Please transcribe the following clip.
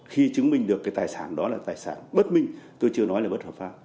khi chứng minh được cái tài sản đó là tài sản bất minh tôi chưa nói là bất hợp pháp